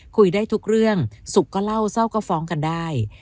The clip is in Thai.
คุยได้ทุกเรื่องสุขก็เล่าเศร้าก็ฟ้องกันได้